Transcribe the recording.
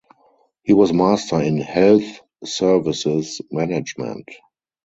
He was Master in Health Services Management.